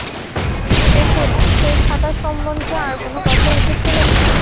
দেখুন, সেই খাতা সম্বন্ধে আর কোনো কথা উঠেছিল?